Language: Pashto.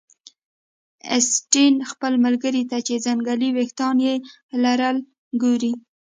اسټین خپل ملګري ته چې ځنګلي ویښتان لري ګوري